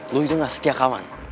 lo itu gak setia kawan